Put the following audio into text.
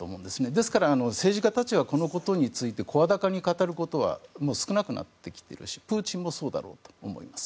ですから、政治家たちはこのことについて声高に語ることは少なくなってきているしプーチンもそうだと思うんです。